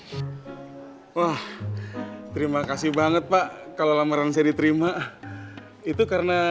terima oleh padanmu wah terima kasih banget pak kalau lamaran saya diterima itu karena